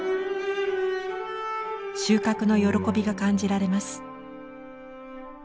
収穫の喜びが感じられます。